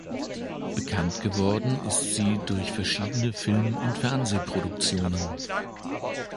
Bekannt geworden ist sie durch verschiedene Film- und Fernsehproduktionen.